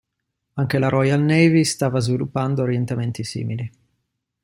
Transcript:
Anche la Royal Navy stava sviluppando orientamenti simili.